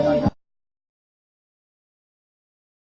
สวัสดีครับ